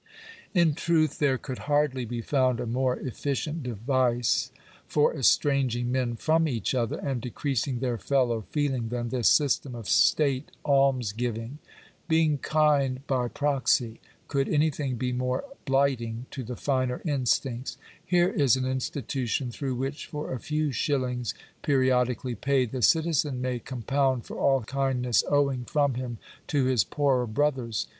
In truth there could hardly be found a more efficient device for estranging men from each other, and decreasing their fellow feeling, than this system of state almsgiving. Being kind by proxy !— could anything be more blighting to the finer instincts ? Here is an institution through which, for a few shillings periodi cally paid, the citizen may compound for all kindness owing from him to his poorer brothers.